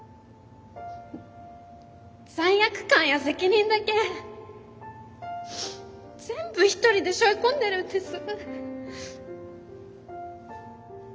罪悪感や責任だけ全部ひとりでしょい込んでるんです。